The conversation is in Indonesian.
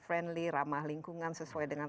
friendly ramah lingkungan sesuai dengan